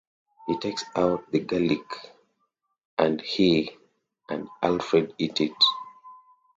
He takes out the garlic and he and Alfred eat it.